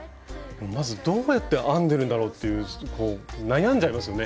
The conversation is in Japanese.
まずどうやって編んでるんだろうっていう悩んじゃいますよね。